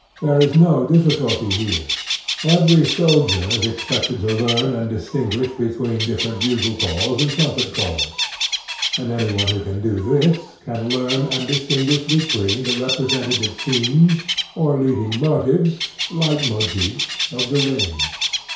There is no difficulty here: every soldier is expected to learn and distinguish between different bugle calls and trumpet calls; and anyone who can do this can learn and distinguish between the representative themes or "leading motives" (Leitmotifs) of The Ring.